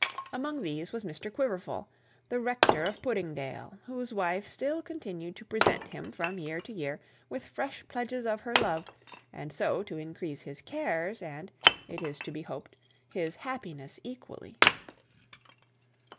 Among them Mr Quiverful, the rector of Puddingdale, whose wife still continued to present him from year to year with fresh pledges of her love, and so to increase his cares and, it is to be hoped, his happiness equally.